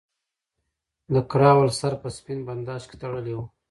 د کراول سر په سپین بنداژ کې تړلی وو.